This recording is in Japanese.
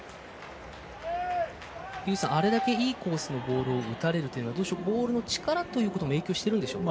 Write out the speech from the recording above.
井口さん、あれだけいいコースを打たれるというのはボールの力も影響しているんでしょうか。